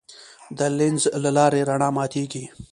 د لینز له لارې رڼا ماتېږي.